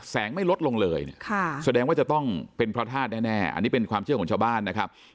แสงไม่ลดลงเลยแสดงจะต้องเป็นพระธาตุแน่อันนี้๔๐๐๐บาทนี้เป็นความเชื่อของชาวบ้านนะครับ